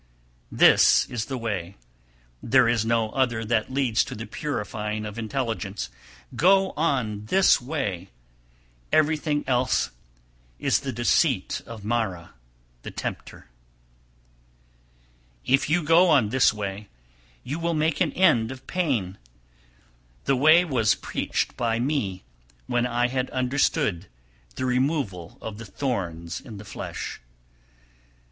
274. This is the way, there is no other that leads to the purifying of intelligence. Go on this way! Everything else is the deceit of Mara (the tempter). 275. If you go on this way, you will make an end of pain! The way was preached by me, when I had understood the removal of the thorns (in the flesh). 276.